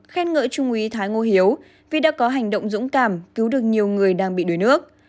khen ngợi trung ý thái ngô hiếu vì đã có hành động dũng cảm cứu được nhiều người đang bị đuổi nước